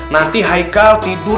nanti haikal tidur